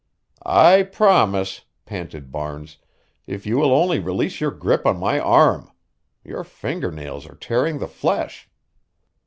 "I promise," panted Barnes, "if you will only release your grip on my arm. Your finger nails are tearing the flesh."